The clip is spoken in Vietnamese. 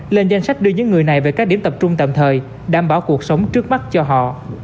lên danh sách đưa những người này về các điểm tập trung tạm thời đảm bảo cuộc sống trước mắt cho họ